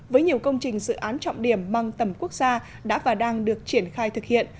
với nhiều công trình dự án trọng điểm mang tầm quốc gia đã và đang được triển khai thực hiện